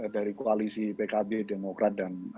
dari koalisi pkb demokrat dan